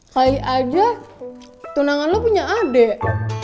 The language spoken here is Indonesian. kali aja tunangan lo punya adek